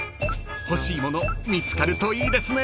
［欲しいもの見つかるといいですね］